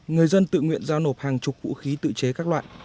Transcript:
người dân tự nguyện giao nộp hàng chục vũ khí tự chế các loại